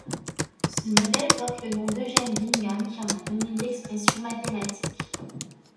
Ce modèle porte le nom d’Eugène Bingham qui en a donné l'expression mathématique.